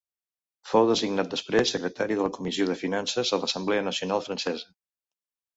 Fou designat després secretari de la Comissió de Finances a l'Assemblea Nacional francesa.